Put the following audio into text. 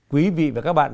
quý vị và các bạn